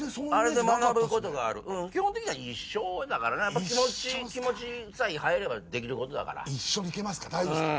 あれで学ぶことがある基本的には一緒だからなやっぱ気持ちさえ入ればできることだから一緒でいけますか大丈夫ですか？